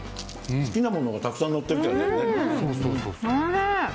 好きなものがたくさん載ってる感じがいいね。